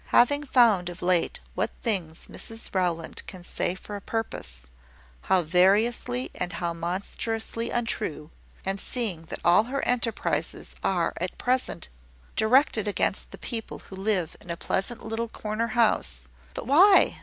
Having found of late what things Mrs Rowland can say for a purpose how variously and how monstrously untrue and seeing that all her enterprises are at present directed against the people who live in a pleasant little corner house " "But why?